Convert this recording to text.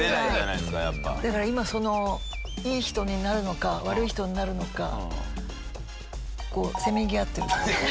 だから今そのいい人になるのか悪い人になるのかこうせめぎ合ってる。